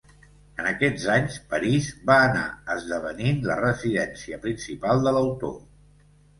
En aquests anys, París va anar esdevenint la residència principal de l'autor.